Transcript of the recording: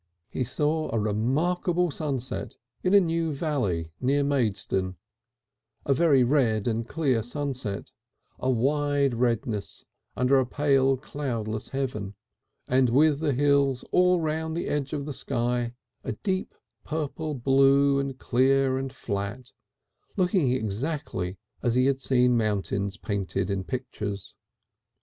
He saw a remarkable sunset in a new valley near Maidstone, a very red and clear sunset, a wide redness under a pale cloudless heaven, and with the hills all round the edge of the sky a deep purple blue and clear and flat, looking exactly as he had seen mountains painted in pictures.